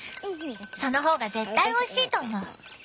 その方が絶対おいしいと思う。